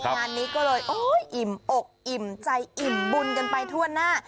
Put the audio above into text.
งานนี้ก็เลยอิ่มอกอิ่มใจอิ่มบุญกันไปทั่วหน้า